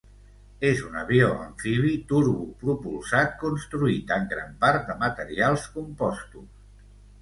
És un avió amfibi turbopropulsat construït en gran part de materials compostos.